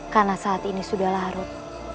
karena saat ini sudah larut